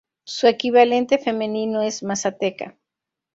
Su equivalente femenino es Mazateca.